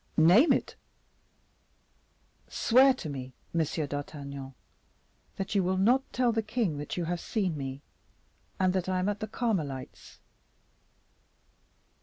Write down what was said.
"Name it." "Swear to me, Monsieur d'Artagnan, that you will not tell the king that you have seen me, and that I am at the Carmelites."